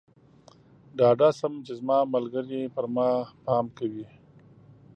ډاډه شم چې زما ملګری پر ما پام کوي.